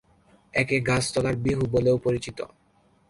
একে গাছ তলার বিহু বলেও পরিচিত।